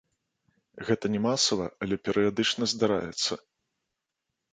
Гэта не масава, але перыядычна здараецца.